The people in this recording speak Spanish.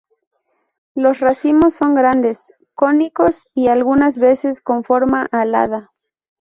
Los racimos son grandes, cónicos y, algunas veces, con forma alada.